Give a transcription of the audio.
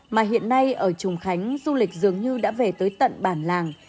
mà hiện nay ở trùng khánh du lịch dường như đã về tới tận bản làng